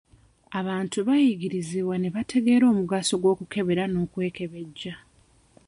Abantu bayigirizibwa ne bategeera omugaso gw'okukebera n'okwekebejja.